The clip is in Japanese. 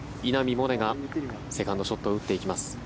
萌寧がセカンドショットを打っていきます。